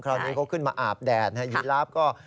คราวนี้เขาขึ้นมาอาบแดดนะฮะหยิดลับก็